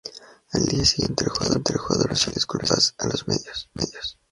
Al día siguiente el jugador ofreció disculpas a los medios.